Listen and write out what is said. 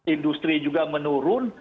industri juga menurun